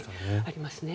ありますね。